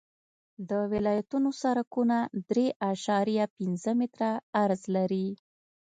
د ولایتونو سرکونه درې اعشاریه پنځه متره عرض لري